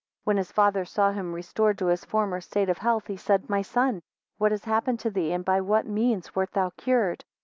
18 When his father saw him restored to his former state of health, he said, My son, what has happened to thee, and by what means wert thou cured?